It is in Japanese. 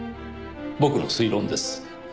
僕の推論です。